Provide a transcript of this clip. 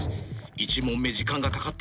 １問目時間がかかっていたけ